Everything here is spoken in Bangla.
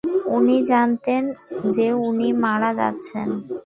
উনি জানতেন যে উনি মারা যাচ্ছেন।